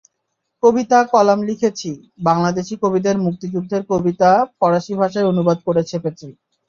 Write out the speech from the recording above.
কবিতা-কলাম লিখেছি, বাংলাদেশি কবিদের মুক্তিযুদ্ধের কবিতা ফরাসি ভাষায় অনুবাদ করে ছেপেছি।